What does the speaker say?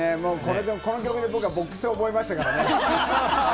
この曲、僕はボックスで覚えましたからね。